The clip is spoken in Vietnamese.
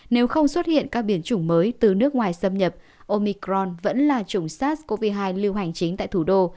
nếu không xuất hiện các biển chủng mới từ nước ngoài xâm nhập omicron vẫn là chủng sars cov hai lưu hành chính tại thủ đô